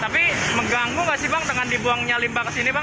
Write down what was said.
tapi mengganggu nggak sih bang dengan dibuangnya limbah ke sini bang